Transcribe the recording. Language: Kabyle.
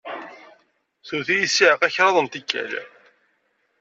Twet-iyi ssiɛqa kraḍt n tikkal.